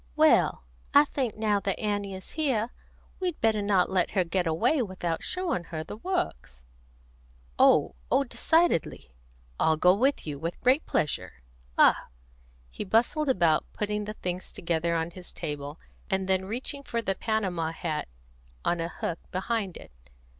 "Well, I think now that Annie is here, we'd better not let her get away without showing her the Works." "Oh oh decidedly! I'll go with you, with great pleasure. Ah!" He bustled about, putting the things together on his table, and then reaching for the Panama hat on a hook behind it.